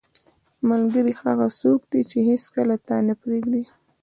• ملګری هغه څوک دی چې هیڅکله تا نه پرېږدي.